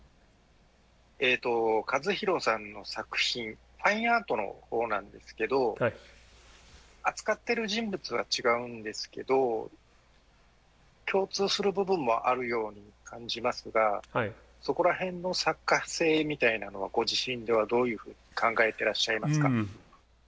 カズ・ヒロさんの作品ファインアートのほうなんですけど扱ってる人物は違うんですけど共通する部分もあるように感じますがそこら辺の作家性みたいなのはご自身ではどういうふうに考えてらっしゃいますか？